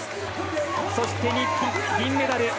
そして日本、銀メダル。